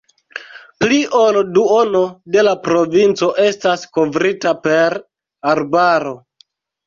Pli ol duono de la provinco estas kovrita per arbaro.